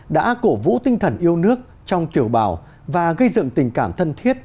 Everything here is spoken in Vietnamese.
đã cổ vũ tinh thần yêu nước trong kiểu bào và gây dựng tình cảm thân thiết